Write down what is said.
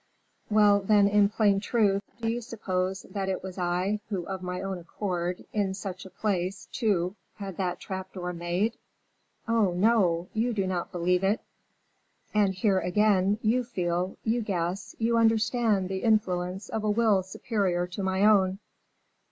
Well, then, in plain truth, do you suppose that it was I who, of my own accord, in such a place, too, had that trap door made? Oh, no! you do not believe it; and here, again, you feel, you guess, you understand the influence of a will superior to my own.